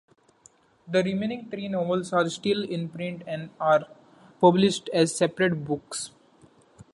The remaining three novels are still in print and are published as separate books.